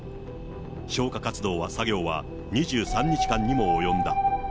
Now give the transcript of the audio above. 消火活動の作業は２３日間にも及んだ。